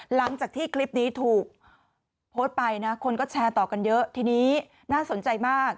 หลังจากที่คลิปนี้ถูกโพสต์ไปนะคนก็แชร์ต่อกันเยอะทีนี้น่าสนใจมาก